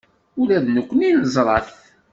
Ula d nekkni neẓra-t.